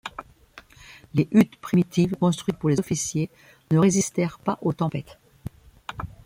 Les huttes primitives, construites pour les officiers, ne résistèrent pas aux tempêtes.